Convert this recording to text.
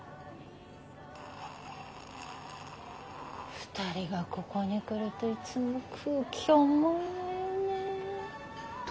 ２人がここに来るといつも空気重いわよね。